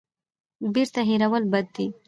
بیرته هېرول بد دی.